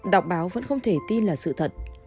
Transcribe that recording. đọc báo vẫn không thể tin là sự thật